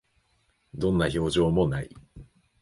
どんな表情も無い